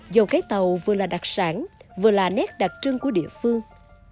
dâu cái tàu vừa là đặc sản vừa là nét đặc trưng của địa phương